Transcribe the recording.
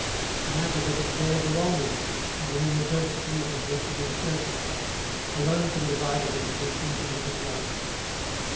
The matter that it bears along with it, and in the interstices of which it inserts itself, alone can divide it into distinct individualities.